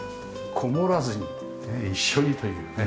こもらずに一緒にというね。